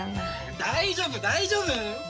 大丈夫大丈夫！